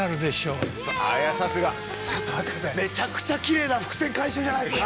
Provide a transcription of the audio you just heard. めちゃくちゃ奇麗な伏線回収じゃないですか。